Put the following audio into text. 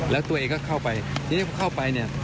แล้วตัวเองก็เข้าไปทีนี้พอเข้าไปเนี่ย